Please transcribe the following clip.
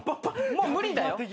もう無理だよ。